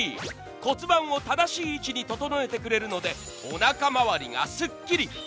骨盤を正しい位置に整えてくれるのでおなか回りがすっきり。